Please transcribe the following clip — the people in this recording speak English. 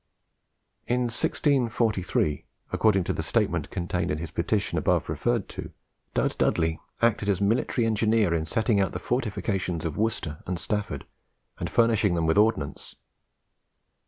In 1643, according to the statement contained in his petition above referred to, Dud Dudley acted as military engineer in setting out the fortifications of Worcester and Stafford, and furnishing them with ordnance.